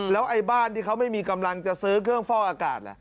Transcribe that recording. แล้วไอ้บ้านที่เขาไม่มีกำลังจะซื้อเครื่องฟอกอากาศล่ะ